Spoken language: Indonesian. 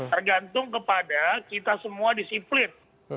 tergantung kepada kita semua disiplin